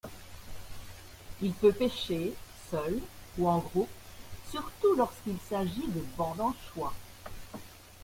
Il peut pêcher seul ou en groupe surtout lorsqu'il s'agit de bancs d'anchois.